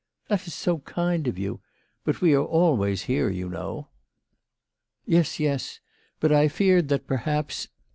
" That is so kind of you. But we always are here, you know." "Yes; yes. But I feared that perhaps